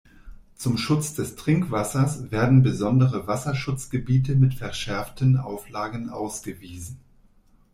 Zum Schutz des Trinkwassers werden besondere Wasserschutzgebiete mit verschärften Auflagen ausgewiesen.